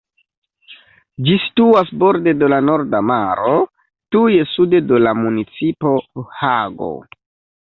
Ĝi situas borde de la Norda Maro, tuj sude de la municipo Hago.